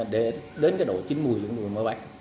để đến cái độ chín mươi những người mới bắt